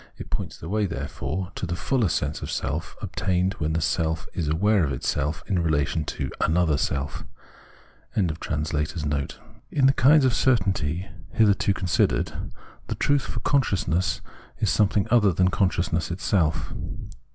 It points the way, therefore, to the fuller sense of self obtained when the self is aware of itself in relation to another self.] IN the kinds of certainty hitherto considered, the truth for consciousness is something other than consciousness itself.